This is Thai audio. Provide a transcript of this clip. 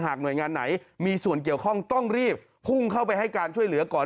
หน่วยงานไหนมีส่วนเกี่ยวข้องต้องรีบพุ่งเข้าไปให้การช่วยเหลือก่อน